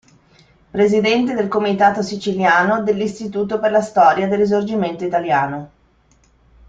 Presidente del comitato siciliano dell'Istituto per la Storia del Risorgimento italiano.